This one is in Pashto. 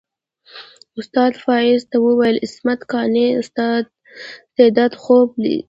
استاد فایز ته وویل عصمت قانع استعداد خوب است.